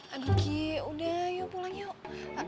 aduh ki udah ayo pulang yuk